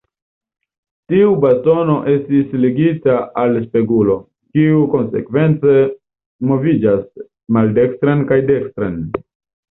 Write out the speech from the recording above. Tiu bastono estis ligita al spegulo, kiu konsekvence moviĝas maldekstren kaj dekstren.